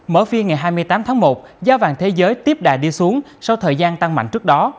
mở phiên ngày hai mươi tám tháng một giá vàng thế giới tiếp đà đi xuống sau thời gian tăng mạnh trước đó